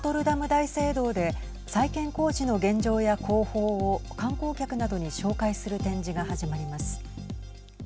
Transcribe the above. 大聖堂で再建工事の現状や工法を観光客などに紹介する展示が始まります。